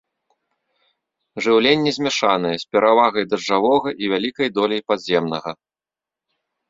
Жыўленне змяшанае, з перавагай дажджавога і вялікай доляй падземнага.